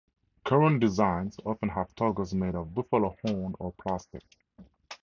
Current designs often have toggles made of buffalo horn, or plastic.